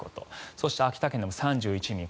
そして秋田県でも３１ミリ。